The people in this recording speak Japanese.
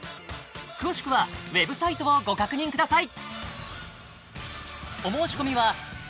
詳しくはＷＥＢサイトをご確認ください！